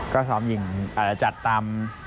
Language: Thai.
ก็ซ้อมหยิงหรือจัดตาม